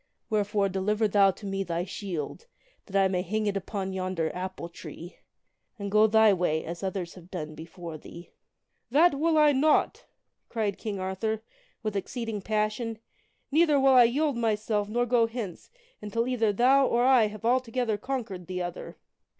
Wherefore deliver thou to me thy shield, that I may hang it upon yonder apple tree, and go thy way as others have done before thee. "" That will I not !" cried King Arthur, with exceeding passion, "neither will I yield myself nor go hence until either thou or I have altogether conquered the other."